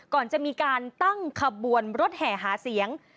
ก่อนจะมีการตั้งขบวนรถแห่หาเสียง